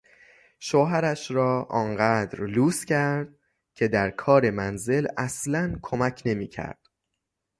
شوهرش را آنقدر لوس کرد که در کار منزل اصلا کمک نمیکرد.